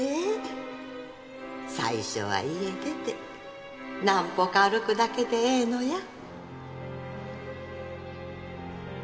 最初は家出て何歩か歩くだけでええのや。